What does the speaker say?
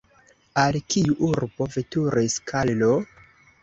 Al kiu urbo veturis Karlo?